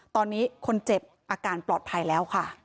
ตอนนี้คนเจ็บอาการปลอดภัยแล้วค่ะ